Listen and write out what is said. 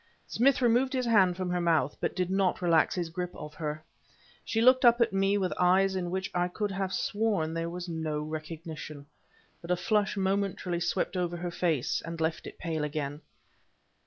Smith removed his hand from her mouth but did not relax his grip of her. She looked up at me with eyes in which I could have sworn there was no recognition. But a flush momentarily swept over her face, and left it pale again.